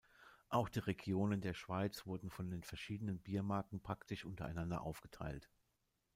Auch die Regionen der Schweiz wurden von den verschiedenen Biermarken praktisch untereinander aufgeteilt.